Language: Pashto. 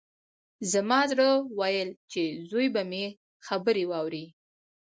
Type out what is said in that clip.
زما زړه ويل چې زوی به مې خبرې واوري.